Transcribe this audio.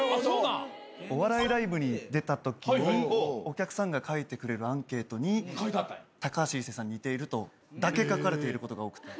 お笑いライブに出たときにお客さんが書いてくれるアンケートに「高橋一生さんに似ている」とだけ書かれていることが多くて。